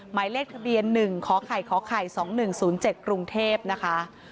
หมายเลขทะเบียนหนึ่งขไข่ขไข่สองหนึ่งศูนย์เจ็ดกรุงเทพนะคะ